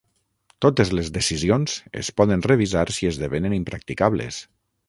Totes les decisions es poden revisar si esdevenen impracticables.